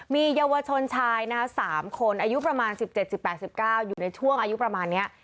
มีเยาวชนชาย๓คนอายุประมาณ๑๗๑๘๑๙อยู่ในช่วงอายุประมาณนี้